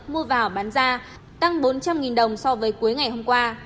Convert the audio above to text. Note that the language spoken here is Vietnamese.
mua vào bán ra tăng bốn trăm linh đồng so với cuối ngày hôm qua